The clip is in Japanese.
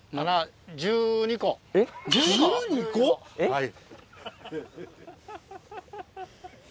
はい。